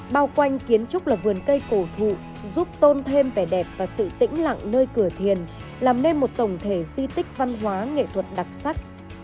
bao quanh kiến trúc là vườn cây cổ thụ giúp tôn thêm vẻ đẹp và sự tĩnh lặng nơi cửa thiền làm nên một tổng thể di tích văn hóa nghệ thuật đặc sắc